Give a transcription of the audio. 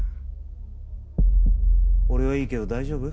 俺はいいけど大丈夫？